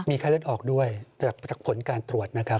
ไข้เลือดออกด้วยจากผลการตรวจนะครับ